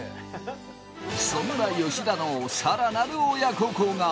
そんな吉田のさらなる親孝行が。